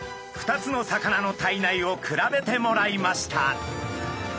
２つの魚の体内を比べてもらいました。